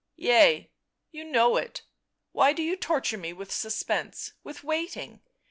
" Yea, you know it — why do you torture me with suspense, with waiting?